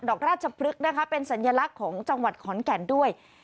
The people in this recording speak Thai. อกราชพฤกษ์นะคะเป็นสัญลักษณ์ของจังหวัดขอนแก่นด้วย